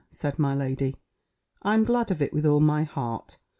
said my lady. "I'm glad of it with all my heart.